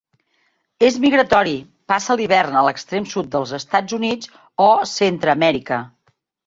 És migratori, passa l'hivern a l'extrem sud dels Estats Units o Centreamèrica.